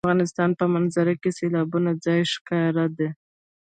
د افغانستان په منظره کې سیلانی ځایونه ښکاره ده.